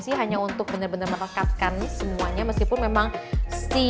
sih hanya untuk benar benar merekatkan semuanya meskipun memang si